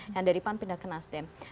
yang daripada pindah ke nasdem